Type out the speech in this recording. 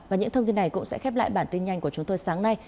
và những thông tin này cũng sẽ khép lại bản tin nhanh của chúng tôi sáng nay